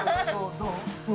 どう？